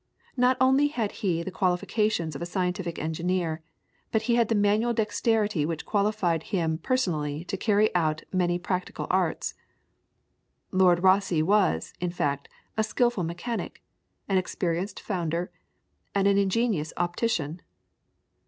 Not only had he the qualifications of a scientific engineer, but he had the manual dexterity which qualified him personally to carry out many practical arts. Lord Rosse was, in fact, a skilful mechanic, an experienced founder, and an ingenious optician.